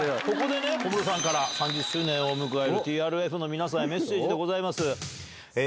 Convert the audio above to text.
ここでね、小室さんから３０周年を迎えるＴＲＦの皆さんへメッセージでございます。